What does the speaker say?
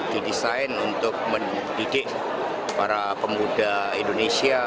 didesain untuk mendidik para pemuda indonesia